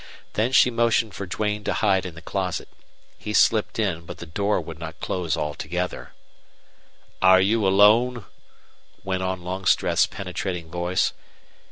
Then she motioned for Duane to hide in the closet. He slipped in, but the door would not close altogether. "Are you alone?" went on Longstreth's penetrating voice.